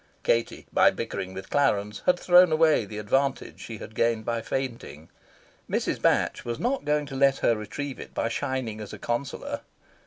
Katie, by bickering with Clarence, had thrown away the advantage she had gained by fainting. Mrs. Batch was not going to let her retrieve it by shining as a consoler.